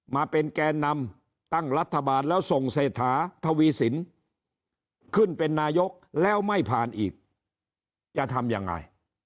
มาเป็นแกนนำตั้งรัฐบาลแล้วส่งเศรษฐาทวีสินขึ้นเป็นนายกแล้วไม่ผ่านอีกจะทำยังไง